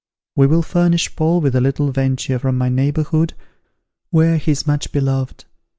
We will furnish Paul with a little venture from my neighbourhood, where he is much beloved.